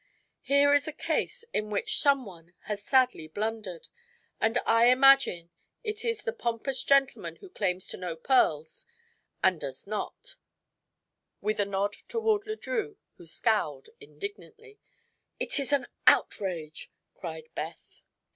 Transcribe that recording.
Here is a case in which someone has sadly blundered, and I imagine it is the pompous gentleman who claims to know pearls and does not," with a nod toward Le Drieux, who scowled indignantly. "It is an outrage!" cried Beth.